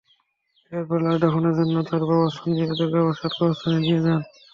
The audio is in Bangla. এরপর লাশ দাফনের জন্য তার বাবা স্থানীয় দুর্গাপ্রসাদ কবরস্থানে নিয়ে যান।